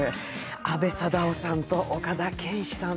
阿部サダヲさんと岡田健史さん